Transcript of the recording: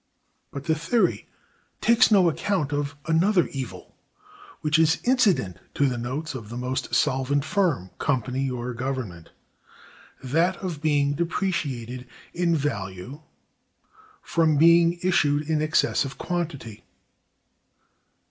But the theory takes no account of another evil, which is incident to the notes of the most solvent firm, company, or government; that of being depreciated in value from being issued in excessive quantity.